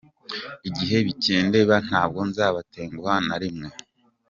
- Igihe bikindeba ntabwo nzabatenguha na rimwe.